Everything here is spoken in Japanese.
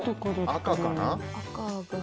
赤かな？